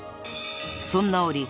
［そんな折